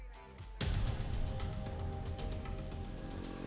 terakhir diadakan pada tahun dua ribu sembilan belas lalu